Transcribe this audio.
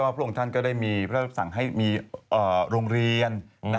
พระองค์ท่านก็ได้มีพระสั่งให้มีโรงเรียน